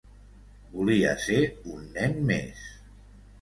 Volia ser un nen més.